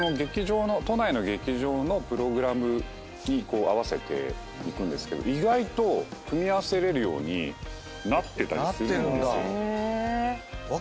都内の劇場のプログラムに合わせて行くんですけど意外と組み合わせれるようになってたりするんですよ。